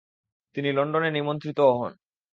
তিনি লন্ডনে নিমন্ত্রিতও হন।